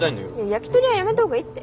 焼きとりはやめた方がいいって。